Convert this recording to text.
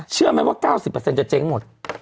เชื่อไหมว่า๙๐จะเจ๊งหมด